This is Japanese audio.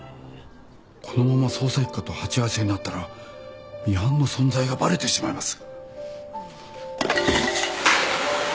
このまま捜査一課と鉢合わせになったらミハンの存在がバレてしまいます。